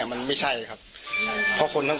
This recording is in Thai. หนูจะให้เขาเซอร์ไพรส์ว่าหนูเก่ง